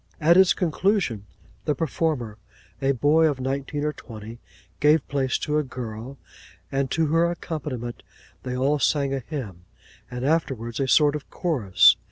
At its conclusion, the performer, a boy of nineteen or twenty, gave place to a girl; and to her accompaniment they all sang a hymn, and afterwards a sort of chorus.